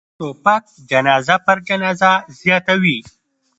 توپک جنازه پر جنازه زیاتوي.